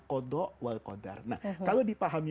koda wal kodar kalau dipahami